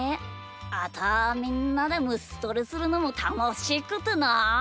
あとはみんなでむしとりするのもたのしくてなあ。